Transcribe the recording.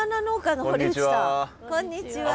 こんにちは。